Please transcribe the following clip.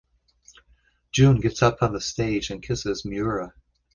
Jun gets up on the stage and kisses Miura.